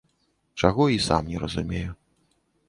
Чаго, і сам не разумею.